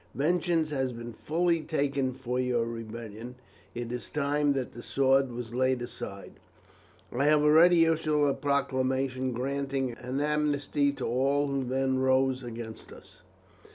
Vengeance has been fully taken for your rebellion, it is time that the sword was laid aside. I have already issued a proclamation granting an amnesty to all who then rose against us.